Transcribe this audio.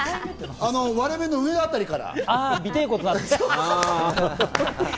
割れ目の上あたりから。